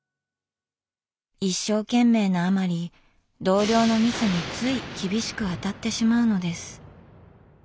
一生懸命なあまり同僚のミスについ厳しく当たってしまうのです。